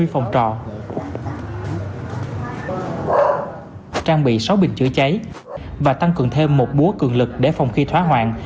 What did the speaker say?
hai mươi phòng trọ trang bị sáu bình chữa cháy và tăng cường thêm một búa cường lực để phòng khí thoá hoạn